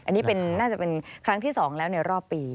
อันนี้น่าจะเป็นครั้งที่๒แล้วในรอบปี